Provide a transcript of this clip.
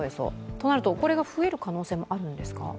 となると、これが増える可能性もあるんですか。